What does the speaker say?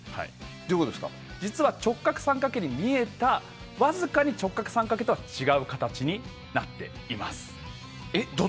実は直角三角形に見えてわずかに直角三角形とは違う形になっています。